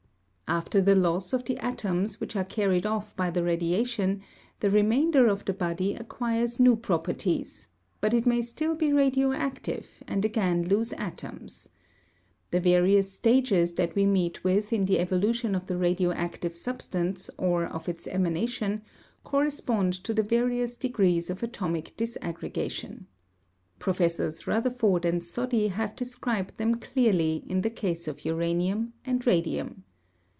After the loss of the atoms which are carried off by the radiation, the remainder of the body acquires new properties, but it may still be radioactive, and again lose atoms. The various stages that we meet with in the evolution of the radioactive substance or of its emanation, correspond to the various degrees of atomic disaggregation. Professors Rutherford and Soddy have described them clearly in the case of uranium and radium.